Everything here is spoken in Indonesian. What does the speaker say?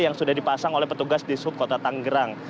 yang sudah dipasang oleh petugas di subkota tanggerang